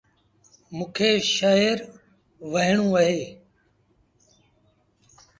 موݩ کي شآهر وهيٚڻون اهي